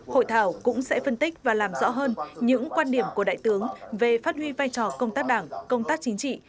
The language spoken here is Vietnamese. hội thảo cũng sẽ phân tích và làm rõ hơn những quan điểm của đại tướng về phát huy vai trò công tác đảng công tác chính trị